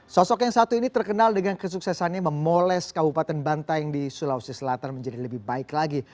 sosok yang satu ini terkenal dengan kesuksesannya memoles kabupaten bantaeng di sulawesi selatan menjadi lebih baik lagi